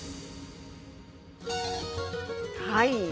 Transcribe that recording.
はい。